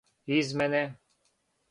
измене